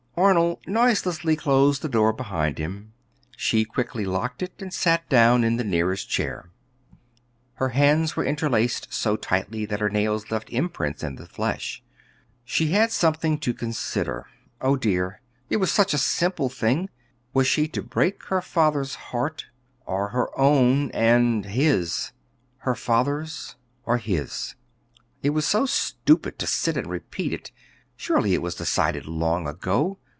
Arnold noiselessly closed the door behind him. She quickly locked it and sat down in the nearest chair. Her hands were interlaced so tightly that her nails left imprints in the flesh. She had something to consider. Oh dear, it was such a simple thing; was she to break her father's heart, or her own and his? Her father's, or his. It was so stupid to sit and repeat it. Surely it was decided long ago.